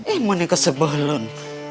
eh mana kesebelan